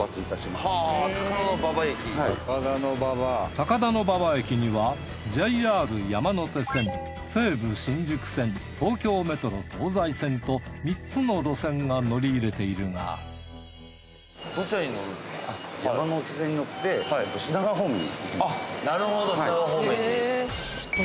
高田馬場駅にはＪＲ山手線西武新宿線東京メトロ東西線と３つの路線が乗り入れているがあっなるほど品川方面に。